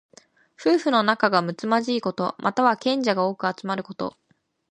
夫婦の仲がむつまじいこと。または、賢者が多く集まること。